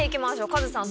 カズさん